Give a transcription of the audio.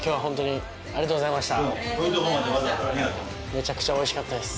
めちゃくちゃおいしかったです。